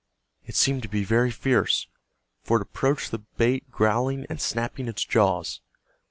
It seemed to be very fierce, for it approached the bait growling and snapping its jaws.